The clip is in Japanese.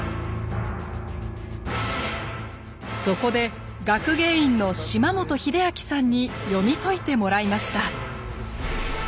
そこで学芸員の島本英明さんに読み解いてもらいました。